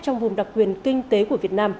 trong vùng đặc biệt